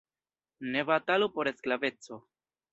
Ne batalu por sklaveco!